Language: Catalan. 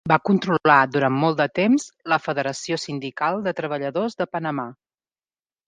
Va controlar durant molt de temps la Federació Sindical de Treballadors de Panamà.